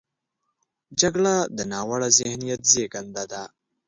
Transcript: جګړه د ناوړه ذهنیت زیږنده ده